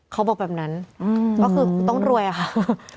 เขาบอกแบบนั้นก็คือต้องรวยอะค่ะ